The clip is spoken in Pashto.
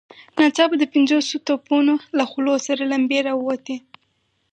ناڅاپه د پنځوسو توپونو له خولو سرې لمبې را ووتې.